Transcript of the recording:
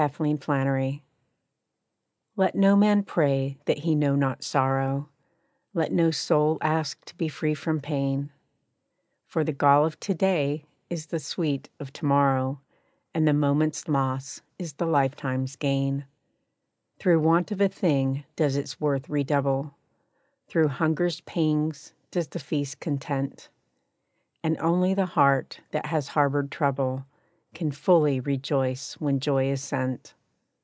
=Life's Harmonies= Let no man pray that he know not sorrow, Let no soul ask to be free from pain, For the gall of to day is the sweet of to morrow, And the moment's loss is the lifetime's gain. Through want of a thing does its worth redouble, Through hunger's pangs does the feast content, And only the heart that has harbored trouble, Can fully rejoice when joy is sent.